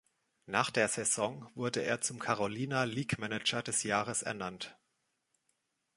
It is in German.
Nach der Saison wurde er zum Carolina League-Manager des Jahres ernannt.